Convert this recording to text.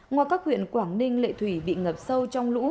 ngoài các huyện quảng ninh lệ thủy bị ngập sâu trong lũ